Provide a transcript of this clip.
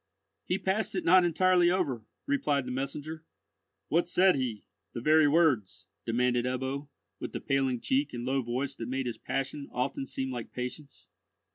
"He passed it not entirely over," replied the messenger. "What said he—the very words?" demanded Ebbo, with the paling cheek and low voice that made his passion often seem like patience.